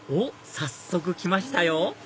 早速来ましたよ